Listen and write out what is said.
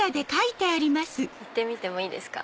行ってみてもいいですか？